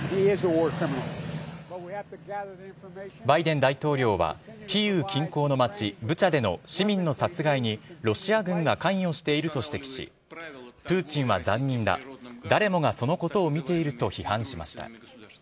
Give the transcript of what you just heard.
バイデン大統領は、キーウ近郊の町、ブチャでの市民の殺害にロシア軍が関与していると指摘し、プーチンは残忍だ誰もがそのことを見ていると批判しました。